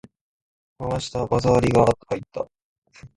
回した！技ありが入った！